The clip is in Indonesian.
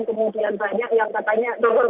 kemudian banyak yang katanya